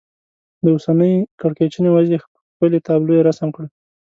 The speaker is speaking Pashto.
د اوسنۍ کړکېچنې وضعې ښکلې تابلو یې رسم کړه.